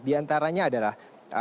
di antaranya adalah